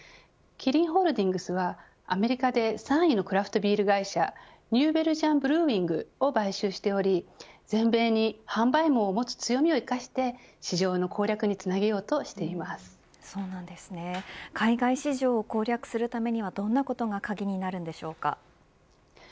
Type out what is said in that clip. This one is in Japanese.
キリンホールディングスはアメリカで３位のクラフトビール会社ニュー・ベルジャン・ブルーイングを買収しており全米に販売網を持つ強みを生かして市場の攻略につなげようと海外市場を攻略するためにはどんなことが鍵になるんでしょうか。